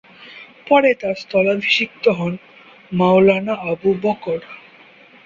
পরে তার স্থলাভিষিক্ত হন মাওলানা আবু বকর।